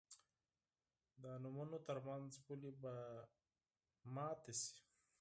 د نومونو تر منځ پولې به ړنګې شي.